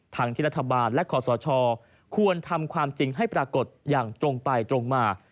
ทั้งที่รัฐบาลและขอสชควรทำความจริงให้ปรากฏอย่างตรงไปตรงมา